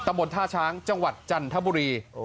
บนท่าช้างจังหวัดจันทบุรี